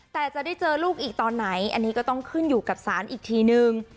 แต่จะได้เจอลูกอีกตอนไหนอันนี้ก็ต้องขึ้นอยู่กับศาลอีกทีนึง